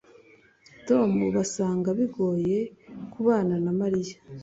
tom basanga bigoye kubana na mariya